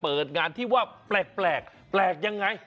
เปิดงานที่ว่าแปลกแปลกยังไง